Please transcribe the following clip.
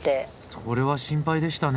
それは心配でしたね。